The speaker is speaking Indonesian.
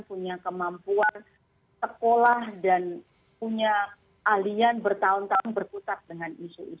punya kemampuan sekolah dan punya alian bertahun tahun berkutat dengan isu ini